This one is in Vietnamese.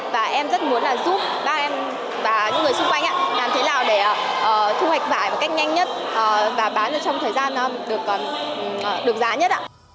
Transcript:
và em rất muốn giúp bác em và những người xung quanh làm thế nào để thu hoạch vải một cách nhanh nhất và bán trong thời gian được giá nhất